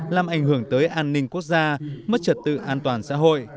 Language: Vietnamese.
làm ảnh hưởng tới an ninh quốc gia mất trật tự an toàn xã hội